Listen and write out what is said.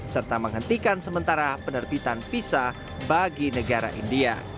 serta menghentikan sementara penerbitan visa bagi negara india